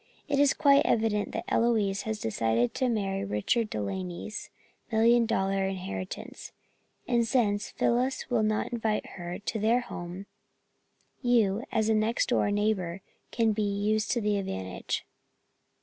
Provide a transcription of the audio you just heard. It is quite evident that Eloise has decided to marry Richard De Laney's million dollar inheritance, and since Phyllis will not invite her to their home you, as a next door neighbor, can be used to advantage."